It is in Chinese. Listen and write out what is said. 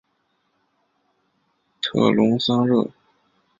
特龙桑热。